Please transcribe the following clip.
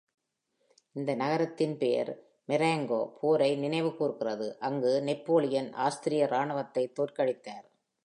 இந்த நகரத்தின் பெயர், Marengo போரை நினைவுகூர்கிறது, அங்கு நெப்போலியன் ஆஸ்திரிய இராணுவத்தை தோற்கடித்தார்.